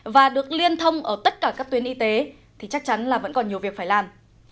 và được liên thông ở tất cả các tuyến y tế thì chắc chắn là vẫn còn nhiều việc phải làm